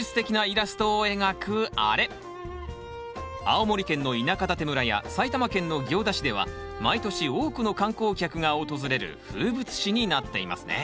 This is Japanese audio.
青森県の田舎館村や埼玉県の行田市では毎年多くの観光客が訪れる風物詩になっていますね。